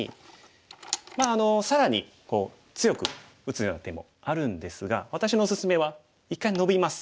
まあ更にこう強く打つような手もあるんですが私のおすすめは一回ノビます。